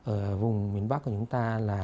ở vùng miền bắc của chúng ta là